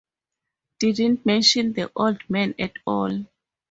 Didn't mention the old man at all.